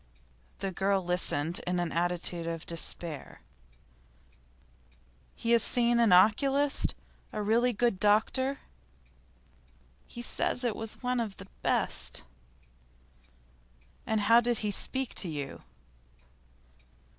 The girl listened in an attitude of despair. 'He has seen an oculist? a really good doctor?' 'He says he went to one of the best.' 'And how did he speak to you?